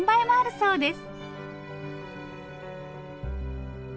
そうです。